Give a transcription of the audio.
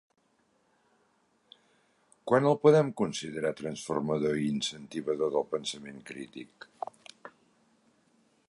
Quan el podem considerar transformador i incentivador del pensament crític?